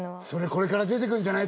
これから出てくるんじゃない？